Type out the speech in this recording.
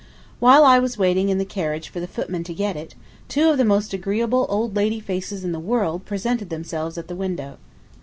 While I was waiting in the carriage for the footman to get it, two of the most agreeable old lady faces in the world presented themselves at the window.